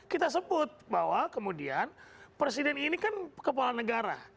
kita sebut bahwa kemudian presiden ini kan kepala negara